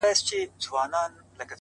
ددغه خلگو په كار. كار مه لره.